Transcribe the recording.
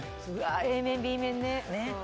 Ａ面、Ｂ面？